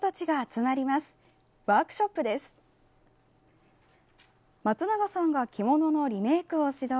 まつながさんが着物のリメークを指導。